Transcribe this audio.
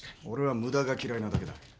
俺は無駄が嫌いなだけだ。